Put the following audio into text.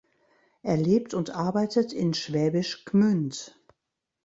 Er lebt und arbeitet in Schwäbisch Gmünd.